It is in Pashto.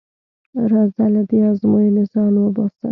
راځه له دې ازموینې ځان وباسه.